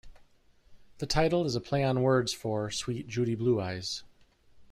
The title is a play on words for "Sweet Judy Blue Eyes".